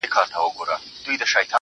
هغه ناروغه ده په رگ ـ رگ کي يې تبه خوره